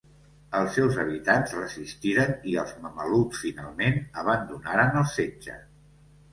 Els seus habitant resistiren i els mamelucs finalment abandonaren el setge.